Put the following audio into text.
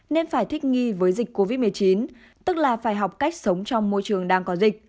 nên phải thích nghi với dịch covid một mươi chín tức là phải học cách sống trong môi trường đang có dịch